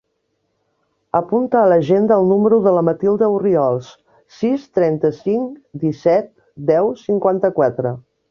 Apunta a l'agenda el número de la Matilda Orriols: sis, trenta-cinc, disset, deu, cinquanta-quatre.